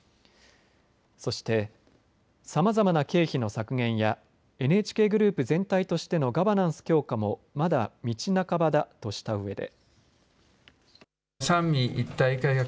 そして、さまざまな経費の削減やＮＨＫグループ全体としてのガバナンス強化もまだ道半ばだとしたうえで。